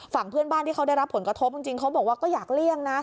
ฝั่งเพื่อนบ้านที่เขาได้รับผลกระทบจริงเขาบอกว่าก็อยากเลี่ยงนะ